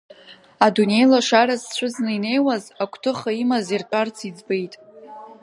Адунеи лашара зцәыӡны инеиуаз, Агәҭыха имаз иртәарц иӡбеит.